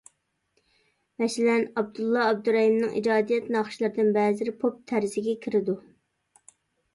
مەسىلەن: ئابدۇللا ئابدۇرەھىمنىڭ ئىجادىيەت ناخشىلىرىدىن بەزىلىرى پوپ تەرزىگە كىرىدۇ.